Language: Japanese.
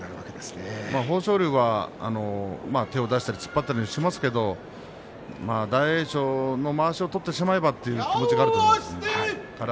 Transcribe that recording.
豊昇龍は手を出したり突っ張ったりしますけど大栄翔のまわしを取ってしまえばという気持ちがあると思います。